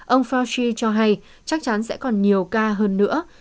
ông fauchi cho hay chắc chắn sẽ còn nhiều ca hơn nữa